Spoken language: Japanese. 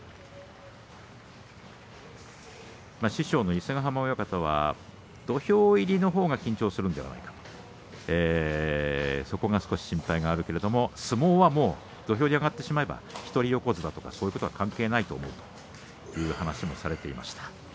師匠の伊勢ヶ濱親方は土俵入りのほうが緊張するのではないかとそこが少し心配があるけれども相撲はもう土俵に上がってしまえば一人横綱とかそういうことは関係ないと思うという話をされていました。